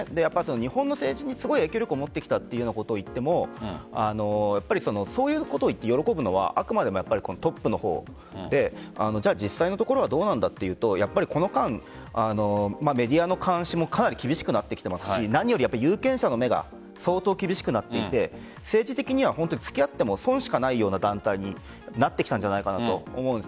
日本の政治に影響力を持ってきたということを言ってもそういうことを言って喜ぶのはあくまでもトップの方で実際のところはどうなんだというとこの間、メディアの監視もかなり厳しくなってきてますし何より有権者の目が相当厳しくなっていて政治的には、付き合っても損しかないような団体になってきたんじゃないかと思うんです。